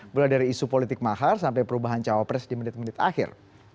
mulai dari isu politik mahar sampai perubahan cawapres di menit menit akhir